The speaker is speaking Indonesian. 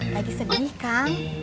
lagi sedih kan